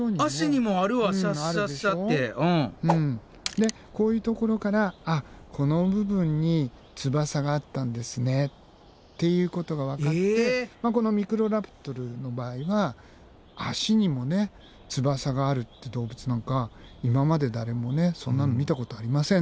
でこういうところからあっこの部分に翼があったんですねっていうことがわかってこのミクロラプトルの場合は足にも翼があるって動物なんか今まで誰もそんなの見たことありません。